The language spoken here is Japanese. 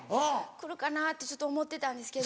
来るかなって思ってたんですけど。